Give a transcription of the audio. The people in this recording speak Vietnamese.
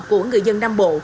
của người dân nam bộ